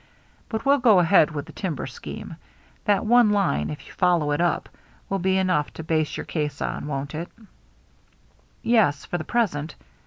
But we'll go ahead with the timber scheme. That one line, if you follow it up, will be enough to base your case on, won't it?" "Yes, for the present.